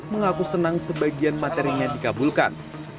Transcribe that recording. mengaku senang sebagian materinya dikabulkan